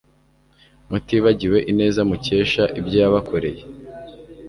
mutibagiwe ineza mukesha ibyo yabakoreye